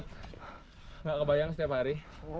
tidak kebayang setiap hari